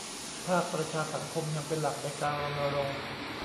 ภาคประชาสังคมยังเป็นหลักในการรณรงค์